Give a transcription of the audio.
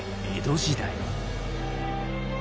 江戸時代。